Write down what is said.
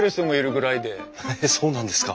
へえそうなんですか。